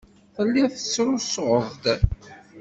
Telliḍ tettrusuḍ-d.